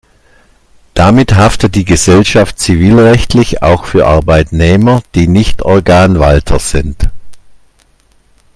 Damit haftet die Gesellschaft zivilrechtlich auch für Arbeitnehmer, die nicht Organwalter sind.